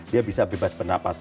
dia bisa bebas bernapas